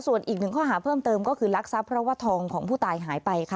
ส่วนอีกหนึ่งข้อหาเพิ่มเติมก็คือลักทรัพย์เพราะว่าทองของผู้ตายหายไปค่ะ